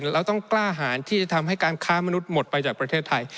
เราต้องกล้าหารที่จะทำให้การค้ามนุษย์หมดไปจากประเทศไทย